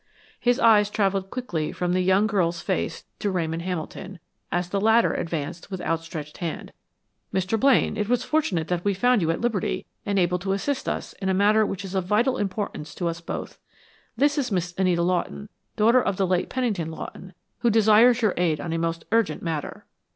His eyes traveled quickly from the young girl's face to Ramon Hamilton, as the latter advanced with outstretched hand. "Mr. Blaine, it was fortunate that we found you at liberty and able to assist us in a matter which is of vital importance to us both. This is Miss Anita Lawton, daughter of the late Pennington Lawton, who desires your aid on a most urgent matter."